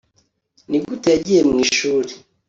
nigute yagiye mwishuri